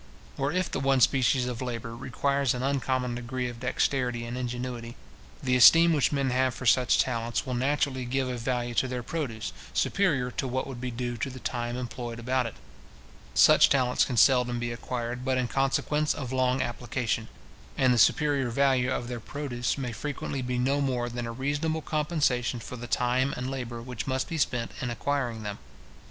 Or if the one species of labour requires an uncommon degree of dexterity and ingenuity, the esteem which men have for such talents, will naturally give a value to their produce, superior to what would be due to the time employed about it. Such talents can seldom be acquired but in consequence of long application, and the superior value of their produce may frequently be no more than a reasonable compensation for the time and labour which must be spent in acquiring them.